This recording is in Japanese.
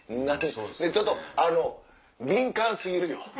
ちょっとあの敏感過ぎるよ。